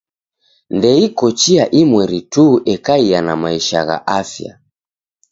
Ndeiko chia imweri tu ekaia na maisha gha afya.